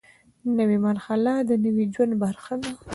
نوې مرحله د نوي ژوند برخه ده